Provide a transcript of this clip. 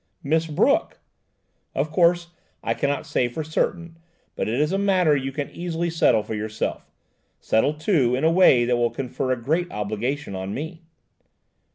"Miss Brooke!" "Of course, I cannot say for certain, but is a matter you can easily settle for yourself–settle, too, in a way that will confer a great obligation on me."